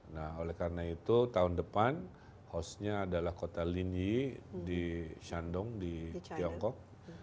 nah oleh karena itu tahun depan hostnya adalah kota liny di shandong di tiongkok